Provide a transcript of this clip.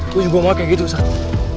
gue juga mau kayak gitu sama